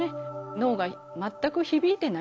脳が全く響いてない。